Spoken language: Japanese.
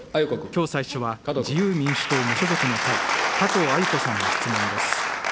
きょう最初は自由民主党無所属の会、加藤鮎子さんの質問です。